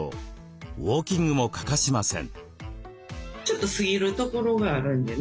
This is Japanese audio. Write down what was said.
ウオーキングも欠かしません。